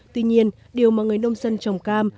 tuy nhiên điều mà người nông dân trồng cam